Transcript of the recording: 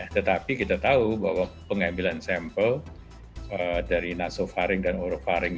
tetapi kita tahu bahwa pengambilan sampel dari nasofaring dan orofaring